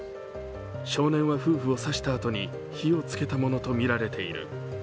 少年は夫婦を刺したあとに火をつけたものとみられている。